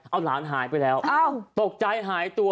เอาหลานหายไปแล้วตกใจหายตัว